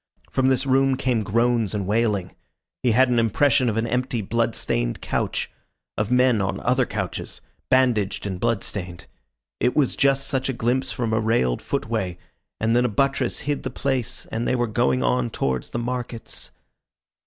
From this room came groans and wailing. He had an impression of an empty blood stained couch, of men on other couches, bandaged and blood stained. It was just a glimpse from a railed footway and then a buttress hid the place and they were going on towards the markets....